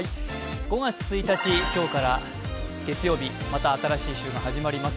５月１日、今日から月曜日また新しい週が始まります。